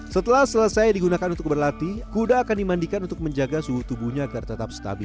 setelah selesai digunakan untuk berlatih kuda akan dimandikan untuk menjaga suhu tubuhnya agar tetap stabil